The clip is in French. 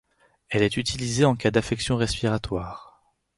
Elle est utilisée en cas d'affections respiratoires.